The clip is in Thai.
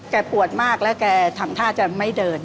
ปวดมากแล้วแกทำท่าจะไม่เดิน